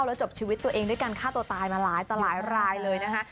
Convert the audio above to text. แล้วจบชีวิตตัวเองด้วยกันฆ่าตัวตายมาหลายเลยนะฮะ